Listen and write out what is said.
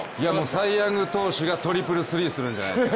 サイ・ヤング賞がトリプルスリーするんじゃないですか。